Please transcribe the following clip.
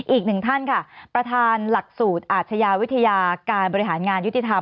อีกหนึ่งท่านค่ะประธานหลักสูตรอาชญาวิทยาการบริหารงานยุติธรรม